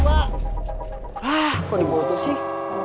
hah kok dibutuh sih